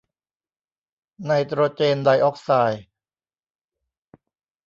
ไนโตรเจนไดออกไซด์